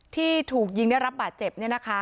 ที่ถูกยิงได้รับบาดเจ็บเนี่ยนะคะ